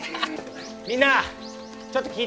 みんなちょっと聞いて。